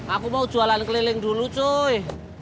aku mau jualan keliling dulu cuy